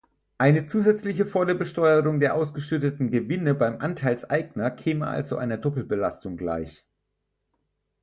Eine zusätzliche volle Besteuerung der ausgeschütteten Gewinne beim Anteilseigner käme also einer Doppelbelastung gleich.